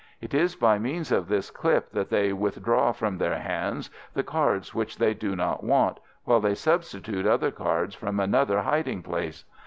It is by means of this clip that they withdraw from their hands the cards which they do not want, while they substitute other cards from another hiding place.